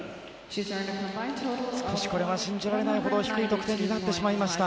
少しこれは信じられないほど低い得点になってしまいました。